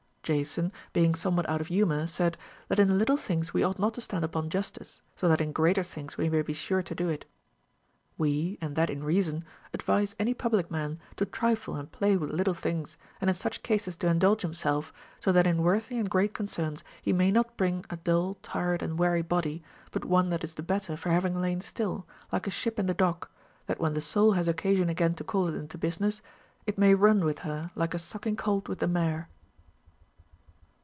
Jason, being some what out of humor, said, that in little things we ought not to stand upon justice, so that in greater things we may be sure to do it. ΛΥο, and that in reason, advise any public man to trifle and play with little things, and in such cases to indulge himself, so that in worthy and great concerns he may not bring a dull, tired, and Λveary body, but one that is the better for having lain still, like a ship in the dock, that when the soul has occasion again to call it into business, " it may run with her, like a sucking colt with the mare."